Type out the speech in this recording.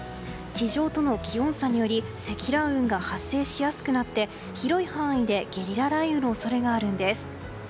地上との気温差により積乱雲が発生しやすくなって広い範囲でゲリラ雷雨の恐れがあるんです。